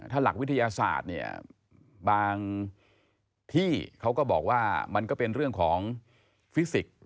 ถ้าหลักวิทยาศาสตร์เนี่ยบางที่เขาก็บอกว่ามันก็เป็นเรื่องของฟิสิกส์